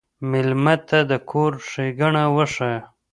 مېلمه ته د کور ښيګڼه وښیه.